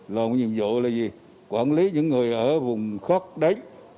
lòng nhiệm vụ là gì quản lý những người ở vùng khóc đấy